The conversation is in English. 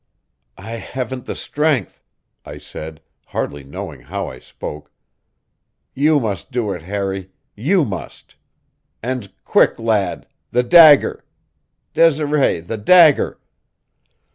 "I haven't the strength," I said, hardly knowing how I spoke. "You must do it, Harry; you must. And quick, lad! The dagger! Desiree the dagger!"